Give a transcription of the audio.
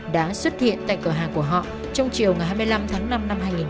đã xuất hiện tại cửa hàng của họ trong chiều ngày hai mươi năm tháng năm năm hai nghìn một mươi chín